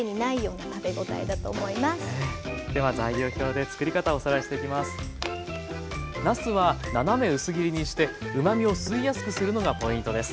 なすは斜め薄切りにしてうまみを吸いやすくするのがポイントです。